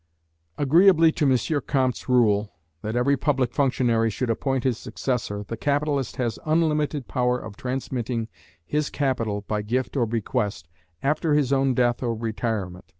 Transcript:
Agreeably to M. Comte's rule, that every public functionary should appoint his successor, the capitalist has unlimited power of transmitting his capital by gift or bequest, after his own death or retirement.